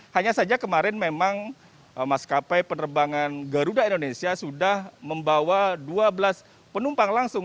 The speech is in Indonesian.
hanya saja kemarin memang maskapai penerbangan garuda indonesia sudah membawa dua belas penumpang langsung